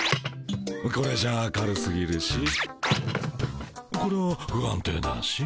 これじゃあ軽すぎるしこれは不安定だし。